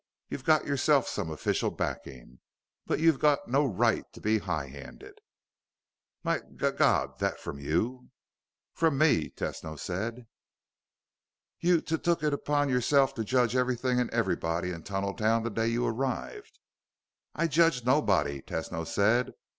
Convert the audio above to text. You've got yourself some official backing. But you've no right to be high handed." "My g god! That from you?" "From me," Tesno said. "You t took it on yourself to judge everything and everybody in Tunneltown the day you arrived." "I judged nobody," Tesno said.